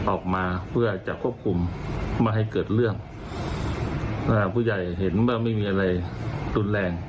ออกมาเพื่อจะควบคุมไม่ให้เกิดเรื่องผู้ใหญ่เห็นว่าไม่มีอะไรรุนแรง